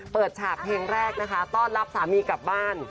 ฉากเพลงแรกนะคะต้อนรับสามีกลับบ้าน